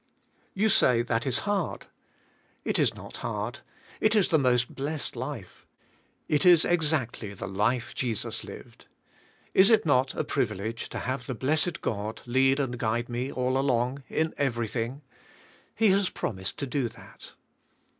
You say that is hard. It is not hard. It is the most blessed life. It is exactly the life Jesus lived. Is it not a privileg e to have the blessed God lead and g uide me all along , in every thing . He has promised to do that.